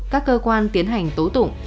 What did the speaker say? các cơ quan tiến hành tố tụng